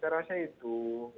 saya rasa itu